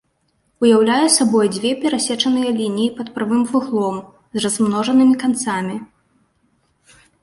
Уяўляе сабой дзве перасечаныя лініі пад прамым вуглом з размножанымі канцамі.